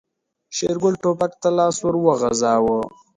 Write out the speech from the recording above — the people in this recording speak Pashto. شېرګل ټوپک ته لاس ور وغځاوه.